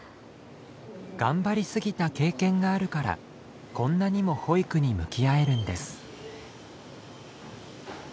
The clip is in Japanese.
頑張りすぎた経験があるからこんなにも保育に向き合えるんです。